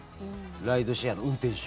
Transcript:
ライドシェアの運転手。